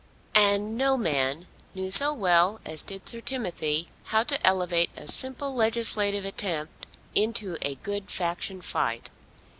And no man knew so well as did Sir Timothy how to elevate a simple legislative attempt into a good faction fight.